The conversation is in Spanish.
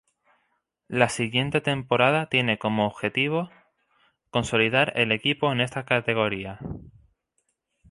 La siguiente temporada tiene como a objetivo consolidar el equipo en esta categoría.